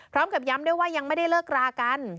พร้อมกับย้ำด้วยว่ายังไม่ได้เลิกรากัน